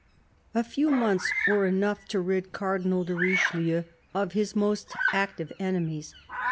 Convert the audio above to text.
A FEW months were enough to rid Cardinal de Richelieu of his most active enemies.